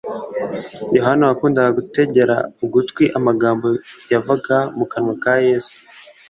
yohana, wakundaga gutegera ugutwi amagambo yavaga mu kanwa ka yesu